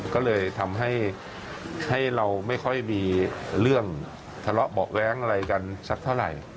ก็เลยทำให้เราไม่ค่อยมีเรื่องทะเลาะเบาะแว้งอะไรกันสักเท่าไหร่